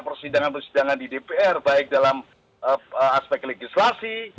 persidangan persidangan di dpr baik dalam aspek legislasi